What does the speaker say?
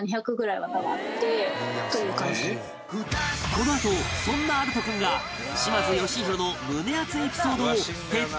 このあとそんな有史君が島津義弘の胸アツエピソードを徹底解説！